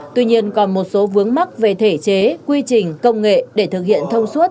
tuy nhiên còn một số vướng mắc về thể chế quy trình công nghệ để thực hiện thông suốt